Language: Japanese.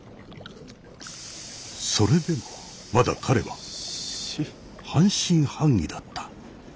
それでもまだ彼は半信半疑だった。